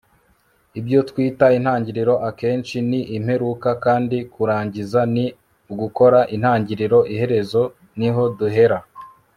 ibyo twita intangiriro akenshi ni imperuka kandi kurangiza ni ugukora intangiriro iherezo niho duhera